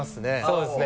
そうですね。